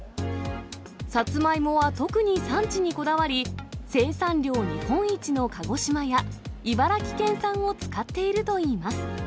サツマイモは特に産地にこだわり、生産量日本一の鹿児島や、茨城県産を使っているといいます。